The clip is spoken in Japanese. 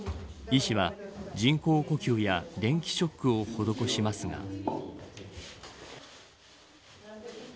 医師は、人工呼吸や電気ショックを施しますが。